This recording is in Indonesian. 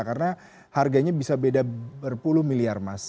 karena harganya bisa beda berpuluh miliar mas